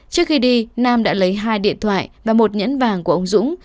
trước khi đi nam đã lấy hai điện thoại và một nhẫn vàng của ông dũng